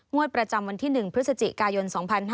ประจำวันที่๑พฤศจิกายน๒๕๕๙